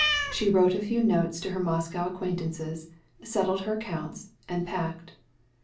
She wrote notes to her Moscow acquaintances, put down her accounts, and packed.